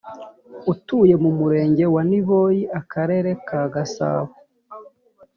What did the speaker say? utuye mu Murenge wa Niboyi Akarere Ka gasabo